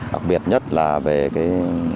đặc biệt nhất là về cái